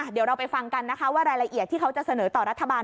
เดี๋ยวเราไปฟังกันนะคะว่ารายละเอียดที่เขาจะเสนอต่อรัฐบาล